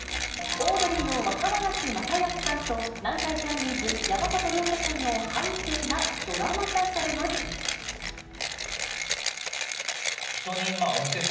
オードリーの若林正恭さんと南海キャンディーズ・山里亮太さんの半生がドラマ化されます。